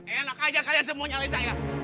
enak aja kalian semua nyali saya